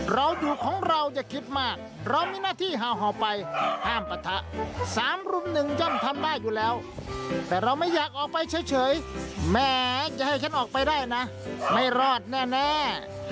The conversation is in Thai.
เราอยู่ของเราอย่าคิดมากเรามีหน้าที่เห่าไปห้ามปะทะ๓รุ่มหนึ่งย่อมทำได้อยู่แล้วแต่เราไม่อยากออกไปเฉยแหมจะให้ฉันออกไปได้นะไม่รอดแน่